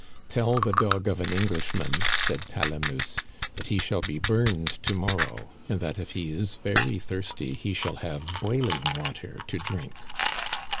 " Tell the dog of an Englishman," said Talamousse, " that he shall be burned to morrow ; and that if he is very thirsty he shall have boiling water to drink."